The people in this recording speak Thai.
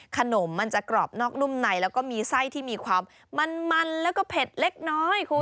ขนมมันจะกรอบนอกนุ่มในแล้วก็มีไส้ที่มีความมันแล้วก็เผ็ดเล็กน้อยคุณ